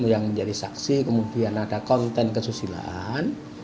yang menjadi saksi kemudian ada konten kesusilaan